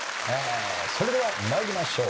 それでは参りましょう。